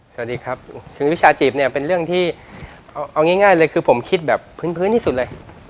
สวัสดีครับถึงวิชาจีบเนี่ยเป็นเรื่องที่เอาง่ายเลยคือผมคิดแบบพื้นที่สุดเลย